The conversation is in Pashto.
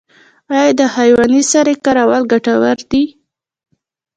آیا د حیواني سرې کارول ګټور دي؟